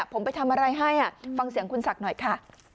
ผมไปทำอะไรให้ฟังเสียงคุณศักดิ์หน่อยค่ะ